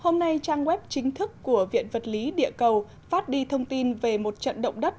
các web chính thức của viện vật lý địa cầu phát đi thông tin về một trận động đất